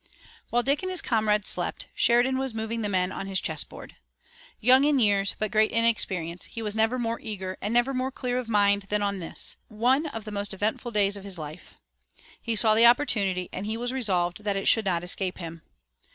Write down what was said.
While Dick and his comrades slept Sheridan was moving the men on his chess board. Young in years, but great in experience, he was never more eager and never more clear of mind than on this, one of the most eventful days of his life. He saw the opportunity, and he was resolved that it should not escape him.